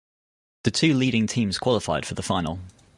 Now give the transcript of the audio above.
The two leading teams qualified for the final.